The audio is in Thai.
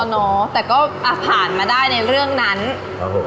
ม้อแต่ก็อ่ะผ่านมาได้ในเรื่องนั้นเออโอ้โห